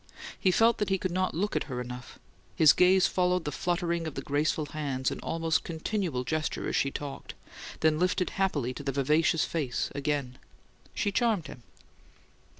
He felt that he could not look at her enough: his gaze followed the fluttering of the graceful hands in almost continual gesture as she talked; then lifted happily to the vivacious face again. She charmed him.